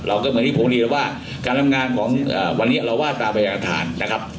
เหมือนที่ผมเรียนแล้วว่าการทำงานของวันนี้เราว่าตามพยายามฐานนะครับ